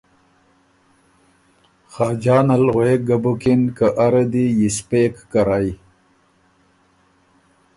خاجان ال غوېک ګۀ بُکِن که اره دی یِسپېک کرئ